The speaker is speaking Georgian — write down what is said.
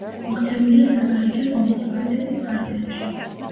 მოქცეულია საგარეჯოს მუნიციპალიტეტის ფარგლებში.